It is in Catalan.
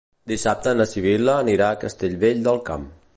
Dissabte na Sibil·la anirà a Castellvell del Camp.